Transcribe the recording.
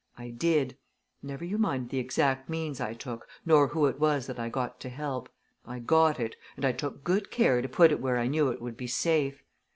I did never you mind the exact means I took nor who it was that I got to help I got it and I took good care to put it where I knew it would be safe.